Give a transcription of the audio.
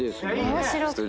面白くて。